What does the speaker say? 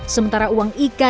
sementara uang ika